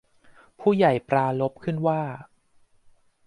ผู้ใหญ่ปรารภขึ้นว่า